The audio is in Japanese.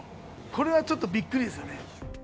これはちょっとびっくりですよね。